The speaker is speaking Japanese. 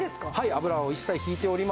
油を一切ひいておりません。